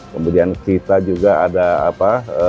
kemudian kita juga ada apa